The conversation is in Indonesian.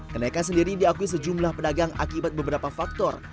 kenaikan sendiri diakui sejumlah pedagang akibat beberapa faktor